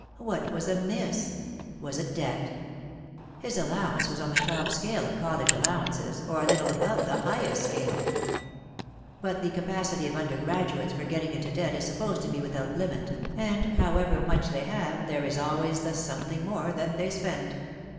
What was amiss? Was it debt? His allowance was on the top scale of college allowances, or a little above the highest scale. But the capa city of undergraduates for getting into debt is sup posed to be without limit, and however much they have there is always the something more that they spend.